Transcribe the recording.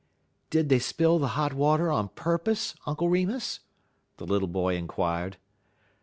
"Did they spill the hot water on purpose, Uncle Remus?" the little boy inquired.